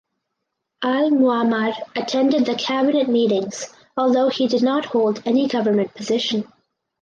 Al Muammar attended the cabinet meetings although he did not hold any government position.